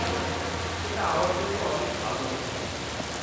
সেটা আমার জন্য অনেক ভালো হয়।